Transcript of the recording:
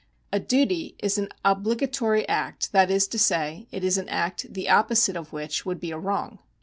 A duty is an obligatory act, that is to say, it is an act the opposite of which would be a wrong.